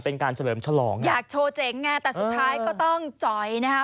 เป็นการเฉลิมฉลองอยากโชว์เจ๋งไงแต่สุดท้ายก็ต้องจอยนะฮะ